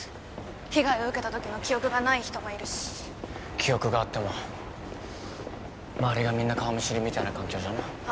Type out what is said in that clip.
被害を受けたときの記憶がない人もいるし記憶があっても周りがみんな顔見知りみたいな環境じゃなあ